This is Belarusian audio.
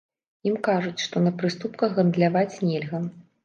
Ім кажуць, што на прыступках гандляваць нельга.